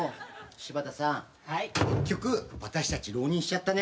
結局私たち浪人しちゃったね。